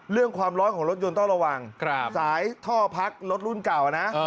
เรื่องความร้อนของรถยนต์ต้องระวังสายท่อพักรถรุ่นเก่านะ